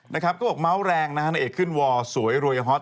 เขาบอกเมาส์แรงนะฮะนางเอกขึ้นวอร์สวยรวยฮอต